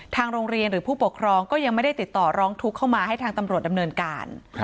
ทางโรงเรียนหรือผู้ปกครองก็ยังไม่ได้ติดต่อร้องทุกข์เข้ามาให้ทางตำรวจดำเนินการ